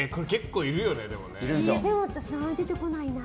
でも私、出てこないな。